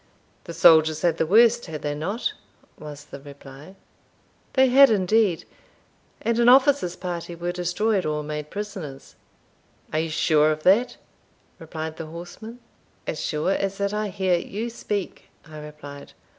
"The soldiers had the worst? had they not?" was the reply. "They had indeed; and an officer's party were destroyed or made prisoners." "Are you sure of that?" replied the horseman. "As sure as that I hear you speak," I replied.